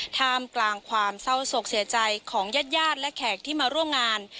ท่ามกลางความเศร้าศกเสียใจของญาติญาติและแขกที่มาร่วมงาน